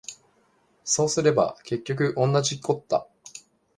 そうすれば結局おんなじこった